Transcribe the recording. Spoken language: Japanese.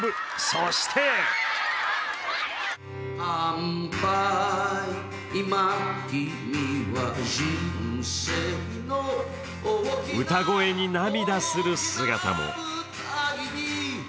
そして歌声に涙する姿も。